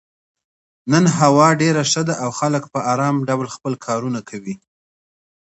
نن هوا ډېره ښه ده او خلک په ارام ډول خپل کارونه کوي.